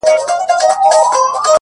دا سپك هنر نه دى چي څوك يې پټ كړي.!